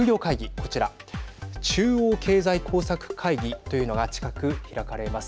こちら中央経済工作会議というのが近く開かれます。